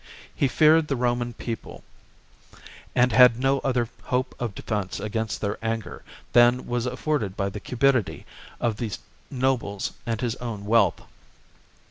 He feared the Roman people, and had no other hope of defence against their anger than was aflbrded by the cupidity of the nobles and his own wealth.